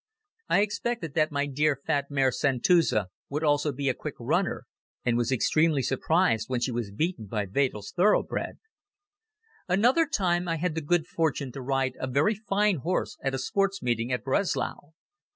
I expected that my dear fat mare, Santuzza, would also be a quick runner and was extremely surprised when she was beaten by Wedel's thoroughbred. Another time I had the good fortune to ride a very fine horse at a Sports Meeting at Breslau.